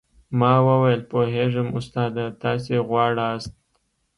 ما وويل پوهېږم استاده تاسې غواړاست.